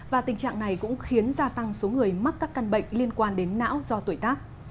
và tình trạng này cũng khiến gia tăng số người mắc các căn bệnh liên quan đến não do tuổi tác